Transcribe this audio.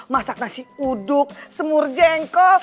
masak nasi uduk semur jengkol